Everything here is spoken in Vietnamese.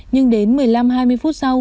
nhưng đến một mươi năm hai mươi phút sau